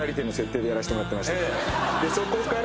でそこから。